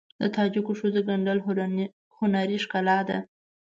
د تاجکو ښځو ګنډل هنري ښکلا ده.